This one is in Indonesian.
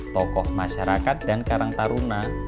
tokoh masyarakat dan karang taruna